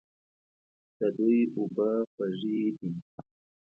د دوی اوبه خوږې دي.